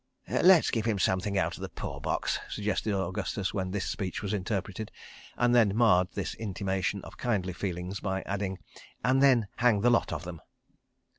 "Let's give him something out of the poor box," suggested Augustus when this speech was interpreted, and then marred this intimation of kindly feelings by adding: "and then hang the lot of them."